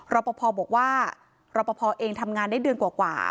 รับประพอบอกว่ารับประพอเองทำงานได้เดือนกว่า